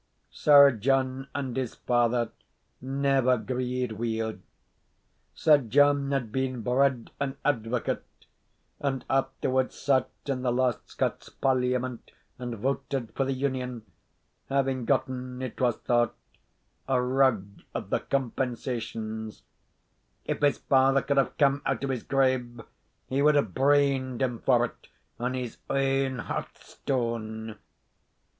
Sir John and his father never 'greed weel. Sir John had been bred an advocate, and afterward sat in the last Scots Parliament and voted for the Union, having gotten, it was thought, a rug of the compensations if his father could have come out of his grave he would have brained him for it on his awn hearthstane.